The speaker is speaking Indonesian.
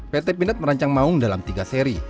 pt pindad merancang maung dalam tiga seri